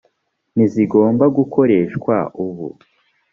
n izigomba gukoreshwa ubu